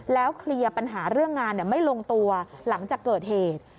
เคลียร์ปัญหาเรื่องงานไม่ลงตัวหลังจากเกิดเหตุ